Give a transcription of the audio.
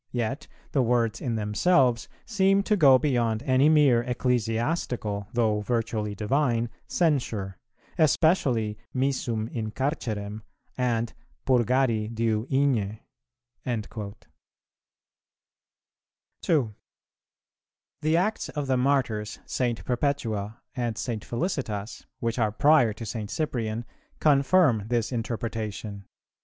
Yet ... the words in themselves seem to go beyond any mere ecclesiastical, though virtually divine censure; especially 'missum in carcerem' and 'purgari diu igne.'"[389:1] 2. The Acts of the Martyrs St. Perpetua and St. Felicitas, which are prior to St. Cyprian, confirm this interpretation.